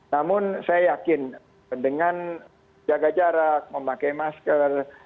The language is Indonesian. namun saya yakin dengan jaga jarak memakai masker